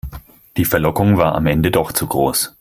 Die Verlockung war am Ende doch zu groß.